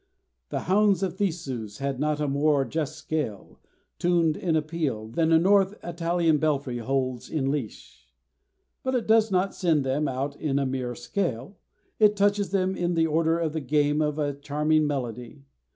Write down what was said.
The hounds of Theseus had not a more just scale, tuned in a peal, than a North Italian belfry holds in leash. But it does not send them out in a mere scale, it touches them in the order of the game of a charming melody.